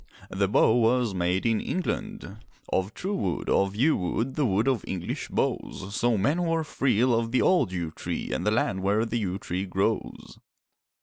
The bow was made in England: Of true wood, of yew wood, The wood of English bows; So men who are free Love the old yew tree And the land where the yew tree grows.